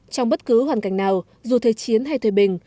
trong bất cứ hoàn cảnh nào dù thế chiến hay thuê bình